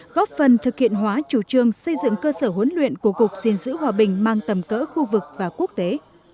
góp phần thực hiện hóa chủ trương xây dựng cơ sở huấn luyện của cục diện giữ hòa bình mang tầm cỡ khu vực và quốc tế